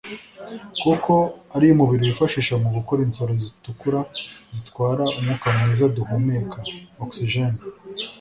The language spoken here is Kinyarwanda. kuko ariyo umubiri wifashisha mu gukora insoro zitukura zitwara umwuka mwiza duhumeka (oxygene)